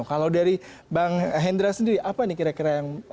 kalau dari bang hendra sendiri apa nih kira kira yang